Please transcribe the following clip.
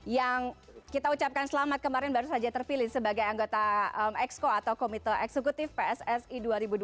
yang kita ucapkan selamat kemarin baru saja terpilih sebagai anggota exco atau komite eksekutif pssi dua ribu dua puluh tiga dua ribu dua puluh tujuh